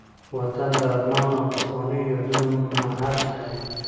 وطن د ارمان او پخوانيو یادونو مهد دی.